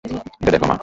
এটা দেখো, মা।